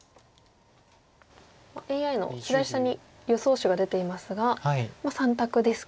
ＡＩの左下に予想手が出ていますが３択ですか。